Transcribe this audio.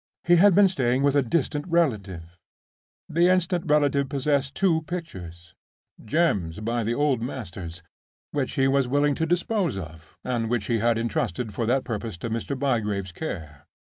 He had been staying with a distant relative. The distant relative possessed two pictures—Gems by the Old Masters—which he was willing to dispose of, and which he had intrusted for that purpose to Mr. Bygrave's care.